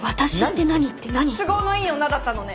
都合のいい女だったのね。